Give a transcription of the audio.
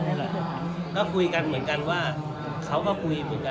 เซนก่อนเราพูดแบบนี้เราเคยให้เขาขอบริธรรม